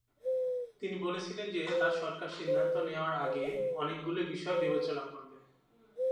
তিনি বলেছিলেন যে তার সরকার সিদ্ধান্ত নেওয়ার আগে "অনেকগুলি বিষয়" বিবেচনা করবে।